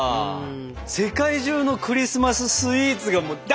世界中のクリスマススイーツがもう大集合だ！